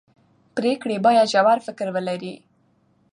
پرېکړې باید ژور فکر ولري